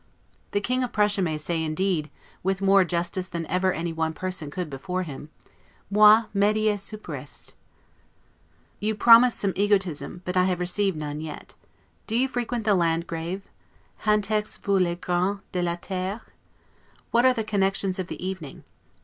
The King of Prussia may say, indeed, with more justice than ever any one person could before him, 'Moi. Medea superest'. You promised the some egotism; but I have received none yet. Do you frequent the Landgrave? 'Hantex vous les grands de la terre'? What are the connections of the evening?